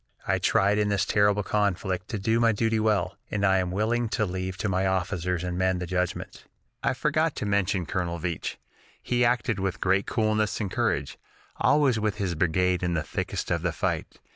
"I tried in this terrible conflict to do my duty well, and I am willing to leave to my officers and men the judgment. "I forgot to mention Colonel Veatch. He acted with great coolness and courage, always with his brigade in the thickest of the fight.